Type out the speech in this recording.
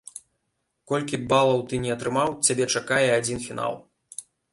Колькі б балаў ты ні атрымаў, цябе чакае адзін фінал.